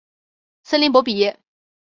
森林博比耶。